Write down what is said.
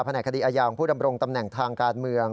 แหนกคดีอาญาของผู้ดำรงตำแหน่งทางการเมือง